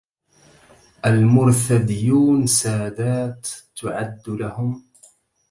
المرثديون سادات تعد لهم